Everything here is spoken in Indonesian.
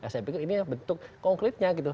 saya pikir ini bentuk konkretnya gitu